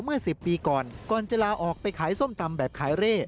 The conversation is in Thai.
เมื่อ๑๐ปีก่อนก่อนจะลาออกไปขายส้มตำแบบขายเร่